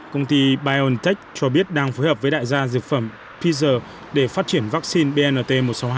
công ty biontech cho biết đang phối hợp với đại gia dược phẩm pfizer để phát triển vaccine bnt một trăm sáu mươi hai